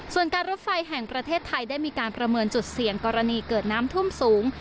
ส่วนการรถไฟแห่งประเทศไทยได้มีการประเมินจุดเสี่ยงกรณีเกิดน้ำท่วมสูง